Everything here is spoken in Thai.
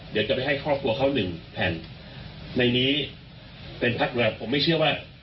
เดี๋ยวจะไปให้ครอบครัวเขาหนึ่งแผ่นในนี้เป็นพัดเรือผมไม่เชื่อว่า